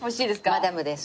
マダムです。